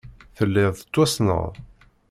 Telliḍ tettwassneḍ.